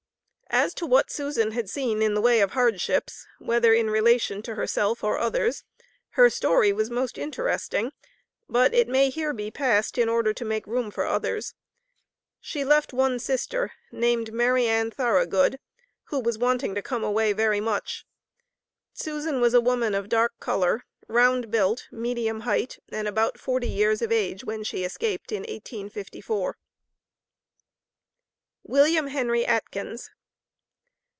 As to what Susan had seen in the way of hardships, whether in relation to herself or others, her story was most interesting; but it may here be passed in order to make room for others. She left one sister, named Mary Ann Tharagood, who was wanting to come away very much. Susan was a woman of dark color, round built, medium height, and about forty years of age when she escaped in 1854. WILLIAM HENRY ATKINS.